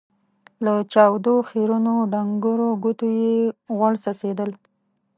له چاودو، خيرنو ، ډنګرو ګوتو يې غوړ څڅېدل.